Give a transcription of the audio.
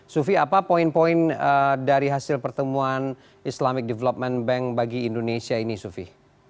sufi apa poin poin dari hasil pertemuan islamic development bank bagi indonesia ini sufi